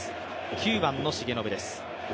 ９番の重信です。